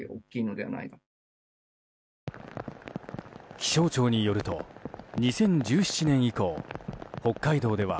気象庁によると２０１７年以降北海道では